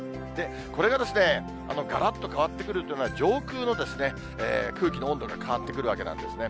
これががらっと変わってくるというのは、上空の空気の温度が変わってくるわけなんですね。